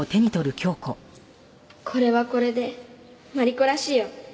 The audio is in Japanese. これはこれでマリコらしいよ。